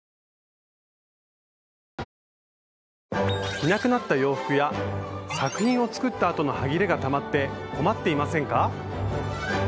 着なくなった洋服や作品を作ったあとのはぎれがたまって困っていませんか？